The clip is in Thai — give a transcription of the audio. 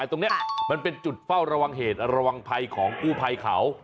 ตรงนี้มันเป็นจุดเฝ้าระวังเหตุระวังภัยของกู้ภัยเขา